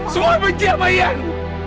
semua yang benci sama iyan